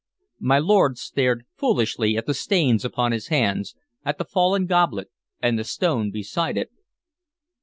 My lord stared foolishly at the stains upon his hands, at the fallen goblet and the stone beside it.